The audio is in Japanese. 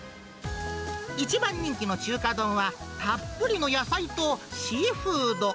一番人気の中華丼は、たっぷりの野菜とシーフード。